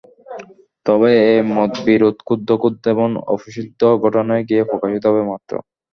তবে এ মতবিরোধ ক্ষুদ্র ক্ষুদ্র এবং অপ্রসিদ্ধ ঘটনায় গিয়ে প্রকাশিত হবে মাত্র।